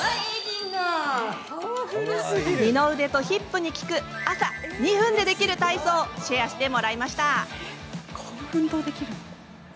二の腕とヒップに効く朝２分でできる体操シェアしてもらいました。